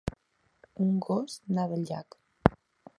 Un gos neda al llac.